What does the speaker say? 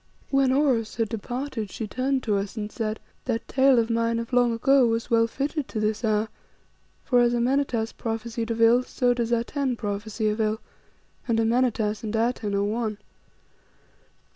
When Oros had departed she turned to us and said "That tale of mine of long ago was well fitted to this hour, for as Amenartas prophesied of ill, so does Atene prophesy of ill, and Amenartas and Atene are one.